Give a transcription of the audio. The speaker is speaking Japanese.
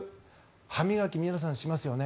歯磨き、皆さんしますよね？